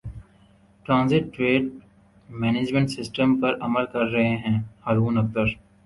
transit trade management system پر عمل کر رہے ہیں ہارون اختر